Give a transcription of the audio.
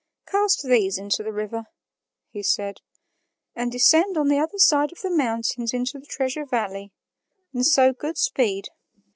"Cast these into the river," he said, "and descend on the other side of the mountains into the Treasure Valley. And so good speed."